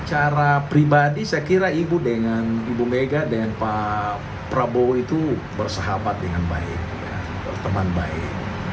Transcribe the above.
secara pribadi saya kira ibu dengan ibu mega dengan pak prabowo itu bersahabat dengan baik berteman baik